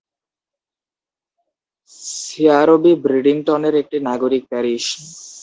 সেয়ারবি ব্রিডিংটনের একটি নাগরিক প্যারিশ।